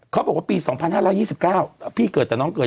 เขาบอกว่าปี๒๕๒๙พี่เกิดแต่น้องเกิด